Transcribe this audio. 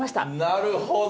なるほど！